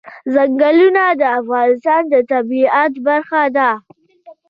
ځنګلونه د افغانستان د طبیعت برخه ده.